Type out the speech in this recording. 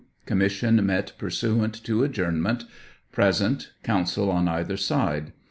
Commission met pursuant to adjournment. Present, Counsel on either side.